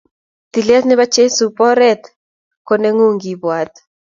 Tilet nebo jesub oret ko nengung kiibwat